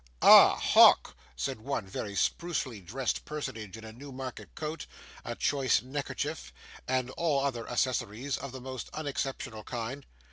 'Ah! Hawk,' said one very sprucely dressed personage in a Newmarket coat, a choice neckerchief, and all other accessories of the most unexceptionable kind.